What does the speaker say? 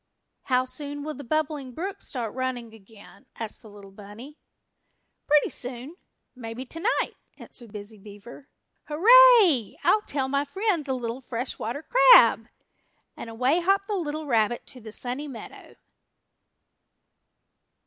"How soon will the Bubbling Brook start running again?" asked the little bunny. "Pretty soon maybe tonight," answered Busy Beaver. "Hurrah! I'll tell my friend the little Fresh Water Crab!" and away hopped the little rabbit to the Sunny Meadow.